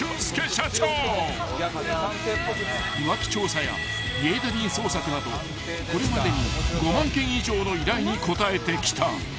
［浮気調査や家出人捜索などこれまでに５万件以上の依頼に応えてきた］